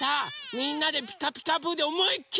みんなで「ピカピカブ！」でおもいっきり